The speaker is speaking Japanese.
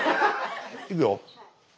いくよ。